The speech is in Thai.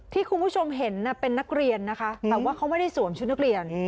ที่คุณผู้ชมเห็นเป็นนักเรียนนะคะแต่ว่าเขาไม่ได้สวมชุดนักเรียน